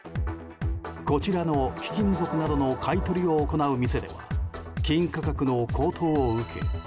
こちらの貴金属などの買い取りを行う店では金価格の高騰を受け